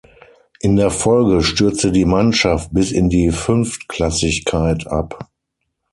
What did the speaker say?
In der Folge stürzte die Mannschaft bis in die Fünftklassigkeit ab.